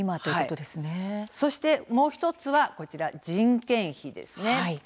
そしてもう１つは人件費です。